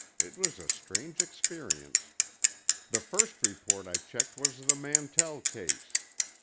It was a strange experience. The first report I checked was the Mantell case.